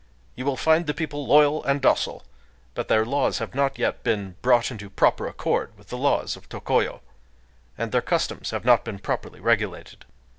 You will find the people loyal and docile; but their laws have not yet been brought into proper accord with the laws of Tokoyo; and their customs have not been properly regulated.